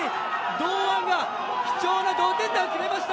堂安が貴重な同点打を決めました。